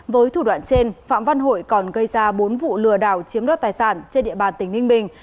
với thủ đoạn trên phạm văn hội còn gây ra bốn vụ lừa đảo chiếm đoạt tài sản trên địa bàn tỉnh ninh bình